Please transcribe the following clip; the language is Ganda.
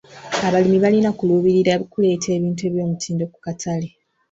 Abalimi balina kuluubirira kuleeta ebintu eby'omutindo ku katale.